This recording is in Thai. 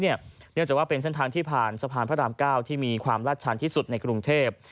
เนื่องจากว่าเป็นเส้นทางที่ผ่านสะพานพระราม๙ที่มีความลาดชันที่สุดในกรุงเทพ